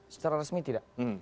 secara resmi tidak